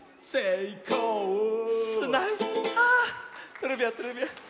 トレビアントレビアン。